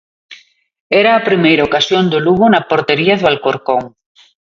Era a primeira ocasión do Lugo na portería do Alcorcón.